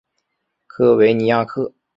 科维尼亚克。